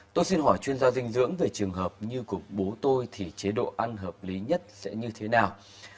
tôi xin hỏi chuyên gia dinh dưỡng về trường hợp như của bố tôi thì chế độ ăn hợp lý nhất sẽ như thế nào